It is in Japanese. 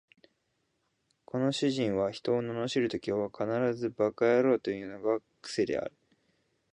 この主人は人を罵るときは必ず馬鹿野郎というのが癖である